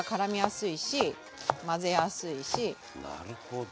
なるほど。